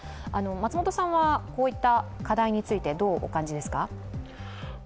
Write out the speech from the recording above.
松本さんはこういった課題について、どうお感じですか。